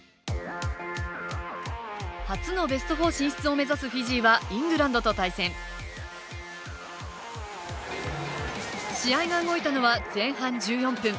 初のベスト４進出を目指すフィジーは、イングランドと対戦。試合が動いたのは前半１４分。